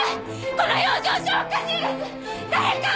この養生所おかしいです！